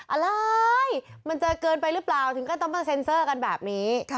อะไรมันจะเกินไปหรือเปล่าถึงก็ต้องมาเซ็นเซอร์กันแบบนี้